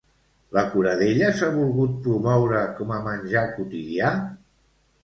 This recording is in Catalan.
La coradella s'ha volgut promoure com a menjar quotidià?